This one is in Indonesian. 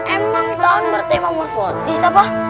emang tawon bertema morfotis apa